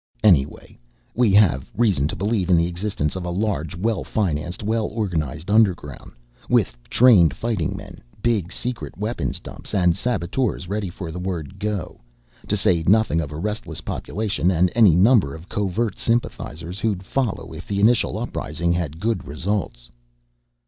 Anyway, we have reason to believe in the existence of a large, well financed, well organized underground, with trained fighting men, big secret weapons dumps, and saboteurs ready for the word 'go' to say nothing of a restless population and any number of covert sympathizers who'd follow if the initial uprising had good results."